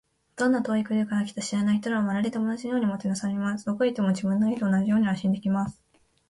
どんな遠い国から来た知らない人でも、まるで友達のようにもてなされます。どこへ行っても、自分の家と同じように安心できます。